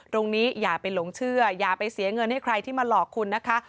อย่าไปหลงเชื่ออย่าไปเสียเงินให้ใครที่มาหลอกคุณนะคะ